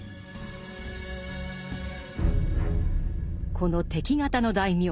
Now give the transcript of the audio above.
この敵方の大名